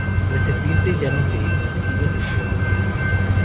Las serpientes ya no se exhiben en su galería.